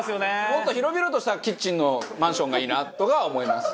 もっと広々としたキッチンのマンションがいいなとかは思います。